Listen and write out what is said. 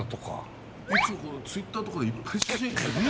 いつもＴｗｉｔｔｅｒとかでいっぱい写真。